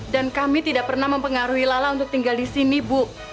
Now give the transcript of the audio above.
dan kami tidak pernah mempengaruhi lala untuk tinggal di sini bu